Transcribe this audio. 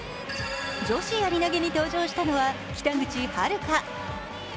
女子やり投に登場したのは北口榛花。